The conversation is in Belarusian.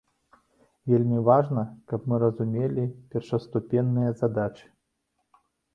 Вельмі важна, каб мы разумелі першаступенныя задачы.